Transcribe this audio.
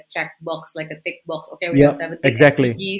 tapi juga seperti kotak tanda yang berat